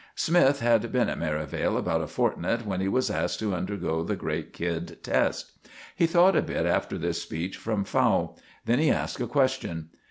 Smythe had been at Merivale about a fortnight when he was asked to undergo the great kid test. He thought a bit after this speech from Fowle. Then he asked a question.